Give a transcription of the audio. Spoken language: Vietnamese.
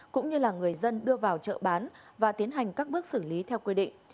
cũng như là người dân đưa vào chợ bán và tiến hành các bước xử lý theo quy định